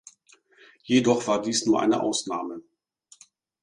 Jedoch war dies nur eine Ausnahme.